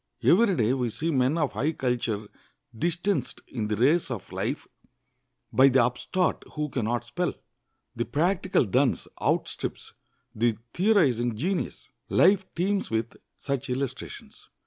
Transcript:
Every day we see men of high culture distanced in the race of life by the upstart who can not spell. The practical dunce outstrips the theorizing genius. Life teems with such illustrations.